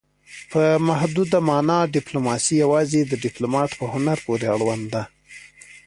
په محدوده مانا ډیپلوماسي یوازې د ډیپلومات په هنر پورې اړوند ده